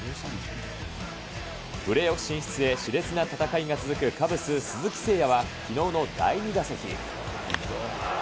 プレーオフ進出へ、しれつな戦いが続くカブス、鈴木誠也は、きのうの第２打席。